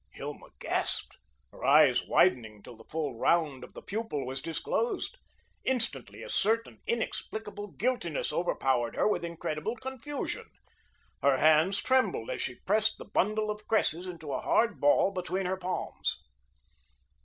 Hilma gasped, her eyes widening till the full round of the pupil was disclosed. Instantly, a certain, inexplicable guiltiness overpowered her with incredible confusion. Her hands trembled as she pressed the bundle of cresses into a hard ball between her palms.